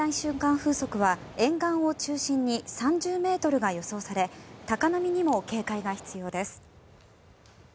風速は沿岸を中心に３０ｍが予想され高波にも警戒が必要です。